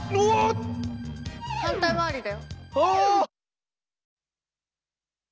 反対回りだよ。